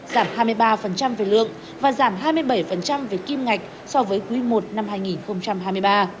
giảm hai mươi ba về lượng và giảm hai mươi bảy về kim ngạch so với quý i năm hai nghìn hai mươi ba